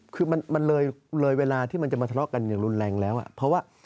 คือมันเลยเวลาที่มันจะมาทะเลาะกันอย่างรุนแรงแล้วเพราะว่า